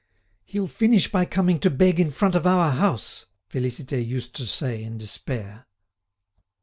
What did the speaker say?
"He'll finish by coming to beg in front of our house," Félicité used to say in despair.